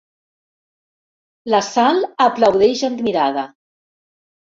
La Sal aplaudeix admirada.